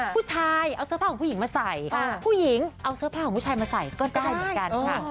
ผู้ชายเอาเสื้อผ้าของผู้หญิงมาใส่ผู้หญิงเอาเสื้อผ้าของผู้ชายมาใส่ก็ได้เหมือนกันค่ะ